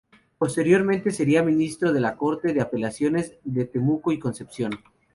Posteriormente sería Ministro de la Corte de Apelaciones de Temuco y Concepción.